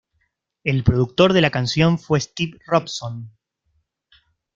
El productor de la canción fue Steve Robson.